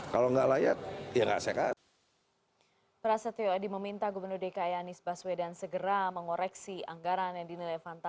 kalau gak layak ya gak sekat